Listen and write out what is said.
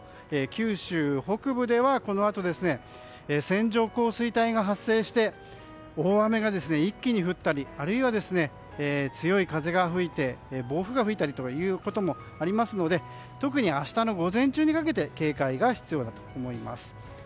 九州北部ではこのあと線状降水帯が発生して大雨が一気に降ったりあるいは、強い風が吹いて暴風が吹いたりということもありますので特に明日の午前中にかけて警戒が必要だと思います。